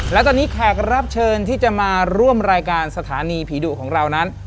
และตอนนี้แขกรับเชิญที่จะมาร่วมรายการสถานีผีดุของเรานั้น